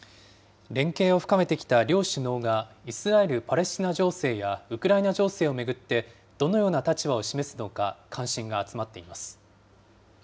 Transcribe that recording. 連携を深めてきた両首脳が、イスラエル・パレスチナ情勢やウクライナ情勢を巡って、どのような立場を示すのか、関心が集まっています。